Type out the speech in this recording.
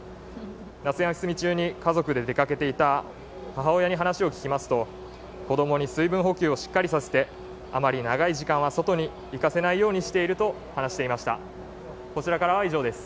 夏休み中に家族で出かけていた母親に話を聞きますと子供に水分補給をしっかりさせてあまり長い時間は外に行かせないようにしていると話していました。